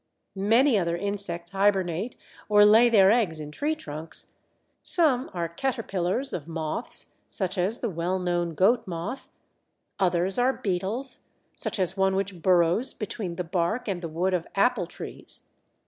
Many other insects hibernate or lay their eggs in tree trunks. Some are caterpillars of moths, such as the well known Goat moth; others are beetles, such as one which burrows between the bark and the wood of apple trees.